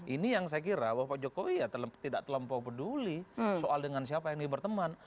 ini yang saya kira pak jokowi tidak terlampau peduli soal dengan siapa yang berteman